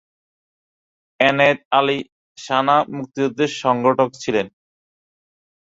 এনায়েত আলী সানা মুক্তিযুদ্ধের সংগঠক ছিলেন।